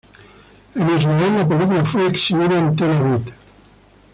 En Israel, la película fue exhibida en Tel Aviv.